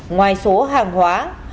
ngoài số hàng hóa